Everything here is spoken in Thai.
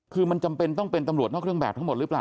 คือมันจำเป็นต้องเป็นตำรวจนอกเครื่องแบบทั้งหมดหรือเปล่า